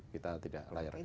kita tidak layarkan